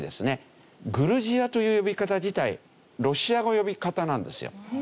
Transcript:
「グルジア」という呼び方自体ロシア語の呼び方なんですよ。